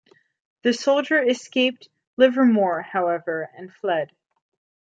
The soldier escaped Livermore, however, and fled.